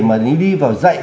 mà đi vào dạy